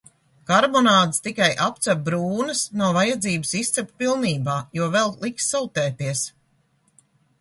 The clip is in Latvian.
Karbonādes tikai apcep brūnas, nav vajadzības izcept pilnībā, jo vēl liks sautēties.